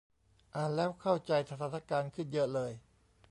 อ่านแล้วเข้าใจสถานการณ์ขึ้นเยอะเลย